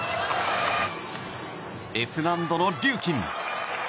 Ｆ難度のリューキン！